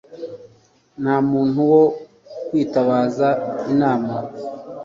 nta muntu wo kwitabaza inama